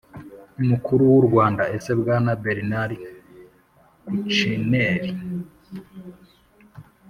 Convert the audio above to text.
mukuru w'u Rwanda. Ese Bwana Bernard Kouchner.